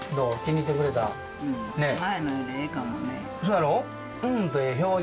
そやろ？